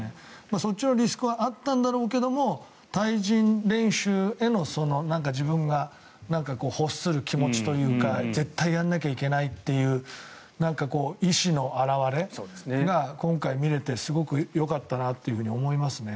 そっちのリスクはあったんだろうけど対人練習への自分が欲する気持ちというか絶対やんなきゃいけないという意思の表れが今回見れてすごくよかったなと思いますね。